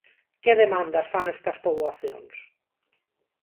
Que demandas fan estas poboacións?